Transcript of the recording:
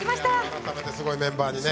改めてすごいメンバーにね